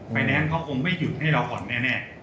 แนนซ์เขาคงไม่หยุดให้เราก่อนแน่